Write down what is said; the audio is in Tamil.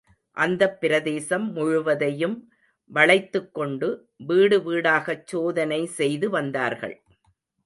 அந்தப் பிரதேசம் முழுவதையும் வளைத்துக்கொண்டு, வீடு வீடாகச் சோதனை செய்து வந்தார்கள்.